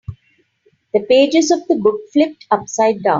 The pages of the book flipped upside down.